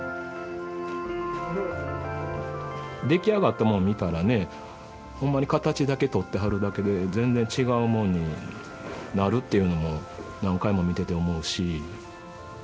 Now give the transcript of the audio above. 出来上がったもの見たらねほんまに形だけとってはるだけで全然違うもんになるっていうのも何回も見てて思うし。